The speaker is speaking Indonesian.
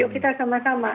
yuk kita sama sama